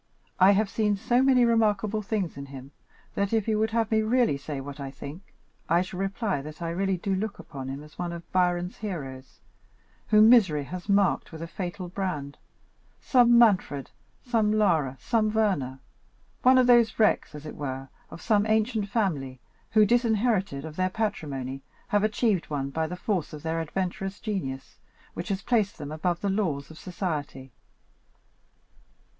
I have seen so many remarkable things in him, that if you would have me really say what I think, I shall reply that I really do look upon him as one of Byron's heroes, whom misery has marked with a fatal brand; some Manfred, some Lara, some Werner, one of those wrecks, as it were, of some ancient family, who, disinherited of their patrimony, have achieved one by the force of their adventurous genius, which has placed them above the laws of society."